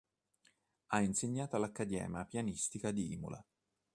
Ha insegnato all'Accademia Pianistica di Imola.